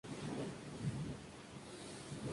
Uematsu es un gran fan de la música celta.